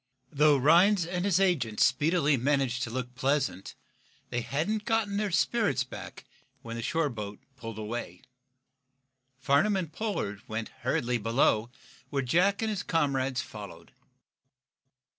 Though Rhinds and his agent speedily managed to look pleasant, they hadn't gotten their spirits back when the shore boat pulled away. Farnum and Pollard went hurriedly below, where Jack and his comrades followed.